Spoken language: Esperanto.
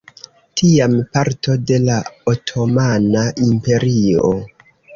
Tiam parto de la otomana imperio.